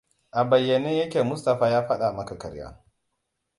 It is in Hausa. A bayyane ya ke Mustapha ya fada maka karya.